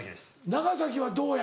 長崎はどうや？